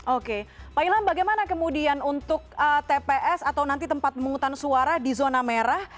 oke pak ilham bagaimana kemudian untuk tps atau nanti tempat pemungutan suara di zona merah